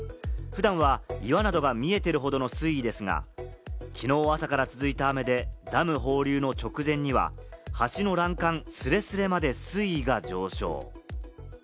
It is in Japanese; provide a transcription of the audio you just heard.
普段は岩などが見えてるほどの推移ですが、きのう朝から続いた雨でダム放流の直前には、橋の欄干すれすれまで、水位が上昇。